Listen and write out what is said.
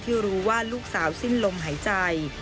ที่รู้ว่าลูกสาวสิ้นลมหายใจ